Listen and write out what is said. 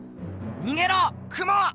にげろクモ！